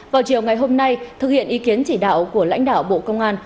vào chiều ngày hôm nay thực hiện ý kiến chỉ đạo của lãnh đạo bộ công an